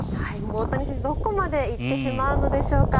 大谷選手、どこまで行ってしまうのでしょうか。